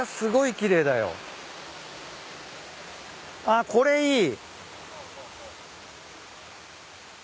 あっこれいい。